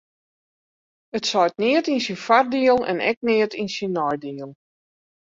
It seit neat yn syn foardiel en ek net yn syn neidiel.